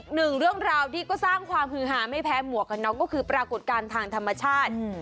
หนึ่งเรื่องราวที่ก็สร้างความฮือหาไม่แพ้หมวกกันน็อกก็คือปรากฏการณ์ทางธรรมชาติ